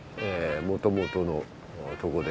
もともとのとこで。